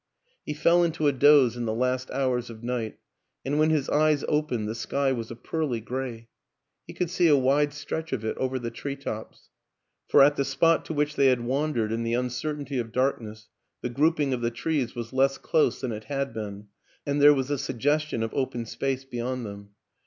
He fell into a doze in the last hours of night, and when his eyes opened the sky was a pearly gray. He could see a wide stretch of it over the tree tops; for at the spot to which they had wan dered in the uncertainty of darkness the grouping of the trees was less close than it had been, and there was a suggestion of open space beyond them.